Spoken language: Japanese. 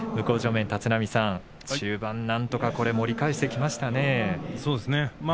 立浪さん、中盤なんとか盛り返していきましたね。